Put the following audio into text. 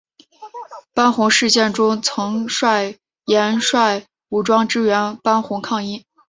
班洪事件中曾率岩帅武装支援班洪抗英。